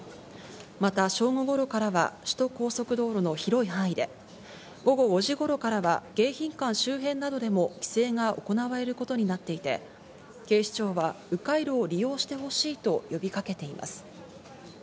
また正午頃からは首都高速道路の広い範囲で午後５時頃からは迎賓館周辺などでも規制が行われることになっていて、警視庁は迂回路を利用してほしいと呼びかけています。